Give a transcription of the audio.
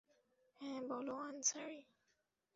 হ্যাঁ, বলো আনসারি।